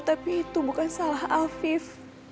tapi itu bukan salah afif